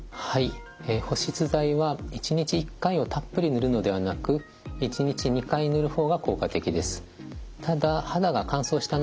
保湿剤は１日１回をたっぷり塗るのではなく１日２回塗る方が効果的です。